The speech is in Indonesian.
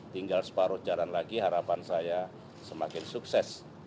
tinggal separuh jalan lagi harapan saya semakin sukses